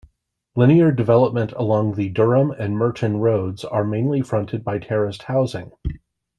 Linear development along the Durham and Murton Roads are mainly fronted by terraced housing.